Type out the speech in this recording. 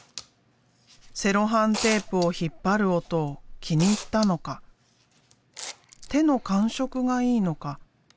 セロハンテープを引っ張る音を気に入ったのか手の感触がいいのか？